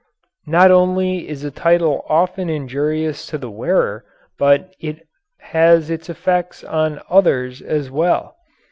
Not only is a title often injurious to the wearer, but it has its effect on others as well.